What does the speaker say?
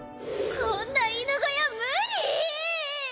こんな犬小屋無理！